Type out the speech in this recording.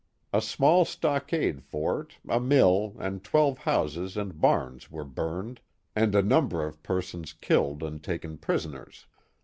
A small stockade fort, a mill, and twelve houses and barns were burned, and a number of persons killed and taken prisoners.